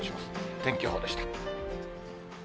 天気予報でした。